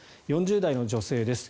４０代の女性です。